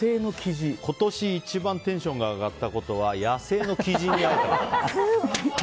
今年一番テンションが上がったことは野生のキジに会えたこと。